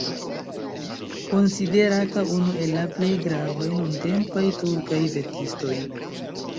Konsiderata unu el la plej gravaj nuntempaj turkaj verkistoj.